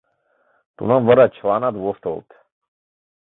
Тунам вара чыланат воштылыт.